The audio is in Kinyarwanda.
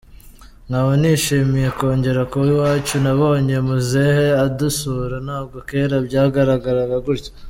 Nkaba nishimiye kongera kuba iwacu, nabonye muzehe adusura, ntabwo kera byagaragaraga gutya.